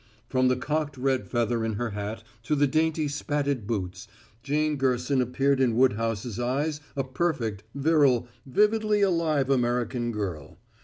From the cocked red feather in her hat to the dainty spatted boots Jane Gerson appeared in Woodhouse's eyes a perfect, virile, vividly alive American girl.